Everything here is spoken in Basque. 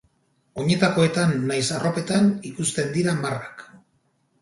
Oinetakoetan nahiz arropetan ikusten dira marrak.